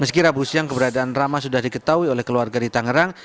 meski rabu siang keberadaan rama sudah diketahui oleh keluarga di tangerang